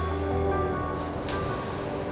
aku gak tertekan pak